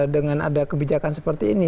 dengan ada kebijakan seperti ini